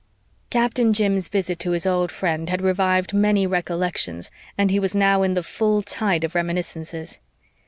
Captain Jim's visit to his old friend had revived many recollections and he was now in the full tide of reminiscences.